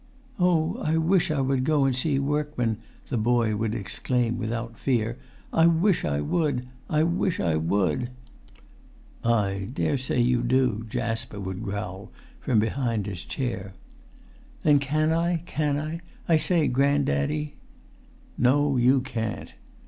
"Oh! I wish I would go and see workman," the boy would exclaim without fear. "I wish I would! I wish I would!" "I daresay you do," Jasper would growl from his chair. "Then can I; can I, I say, grand daddy?" "No, you can't."